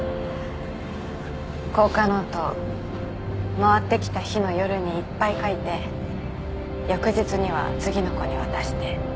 交換ノート回ってきた日の夜にいっぱい書いて翌日には次の子に渡して。